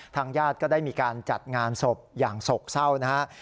ญาติก็ได้มีการจัดงานศพอย่างโศกเศร้านะครับ